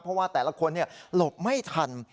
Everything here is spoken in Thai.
เพราะว่าแต่ละคนหลบไม่ทัน